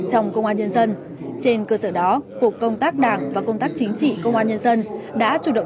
trong công an nhân dân trên cơ sở đó cục công tác đảng và công tác chính trị công an nhân dân đã chủ động